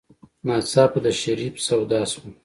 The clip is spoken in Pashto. ناڅاپه د شريف سودا شوه.